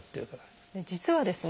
実はですね